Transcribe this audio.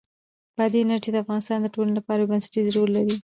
بادي انرژي د افغانستان د ټولنې لپاره یو بنسټيز رول لري.